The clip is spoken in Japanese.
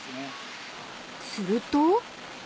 ［すると］